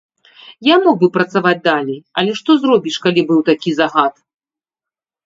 Я мог бы працаваць далей, але што зробіш, калі быў такі загад.